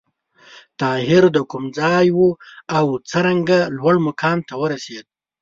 طاهر د کوم ځای و او څرنګه لوړ مقام ته ورسېد؟